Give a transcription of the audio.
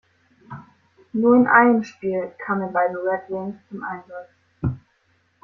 Nur in einem Spiel kam er bei den Red Wings zum Einsatz.